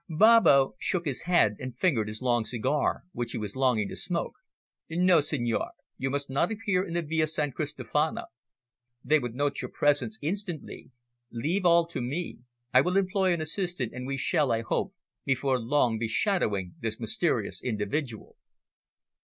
Babbo shook his head and fingered his long cigar, which he was longing to smoke. "No, signore. You must not appear in the Via San Cristofana. They would note your presence instantly. Leave all to me. I will employ an assistant, and we shall, I hope, before long be shadowing this mysterious individual."